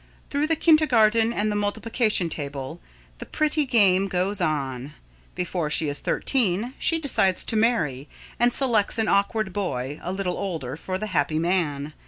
Through the kindergarten and the multiplication table, the pretty game goes on. Before she is thirteen, she decides to marry, and selects an awkward boy a little older for the happy man.